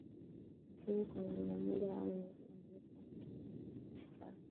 niseme kwa namna moja au nyingine havikuwa na timu ya twiga stars